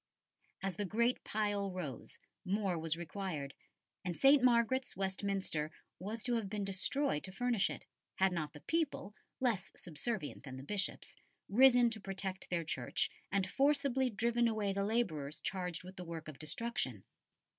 As the great pile rose, more was required, and St. Margaret's, Westminster, was to have been destroyed to furnish it, had not the people, less subservient than the Bishops, risen to protect their church, and forcibly driven away the labourers charged with the work of destruction.